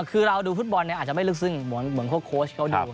คือเราดูฟุตบอลเนี่ยอาจจะไม่ลึกซึ้งเหมือนพวกโค้ชเขาดู